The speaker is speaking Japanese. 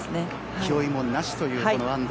気負いもなしというこの安藤。